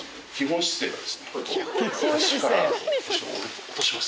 腰を落とします。